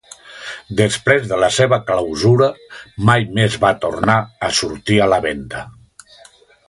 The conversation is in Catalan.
Després de la seva clausura, mai més va tornar a sortir a la venda.